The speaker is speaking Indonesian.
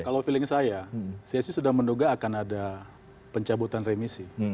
kalau feeling saya saya sih sudah menduga akan ada pencabutan remisi